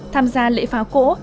tham gia lễ pháo cỗ